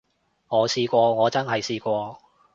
我試過，我真係試過